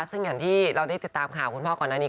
ซึ่งอย่างที่เราได้ติดตามข่าวคุณพ่อก่อนหน้านี้